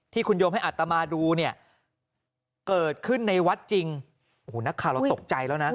ที่คุณโยมให้อัตมาดูเนี่ยเกิดขึ้นในวัดจริงโอ้โหนักข่าวเราตกใจแล้วนะ